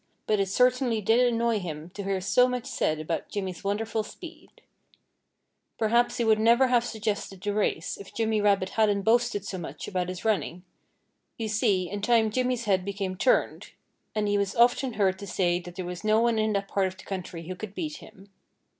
But it certainly did annoy him to hear so much said about Jimmy's wonderful speed. Perhaps he never would have suggested the race, if Jimmy Rabbit hadn't boasted so much about his running. You see, in time Jimmy's head became turned. And he was often heard to say that there was no one in that part of the country who could beat him.